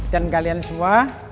dan kalian semua